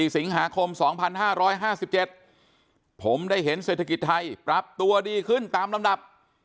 สิงหาคม๒๕๕๗ผมได้เห็นเศรษฐกิจไทยปรับตัวดีขึ้นตามลำดับ